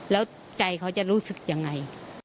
แล้วใจเขาจะรู้สึกยังไง